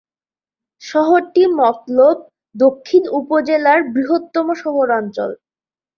শহরটি মতলব দক্ষিণ উপজেলার বৃহত্তম শহরাঞ্চল।